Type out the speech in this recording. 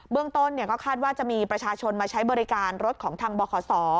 เรื่องต้นก็คาดว่าจะมีประชาชนมาใช้บริการรถของทางบข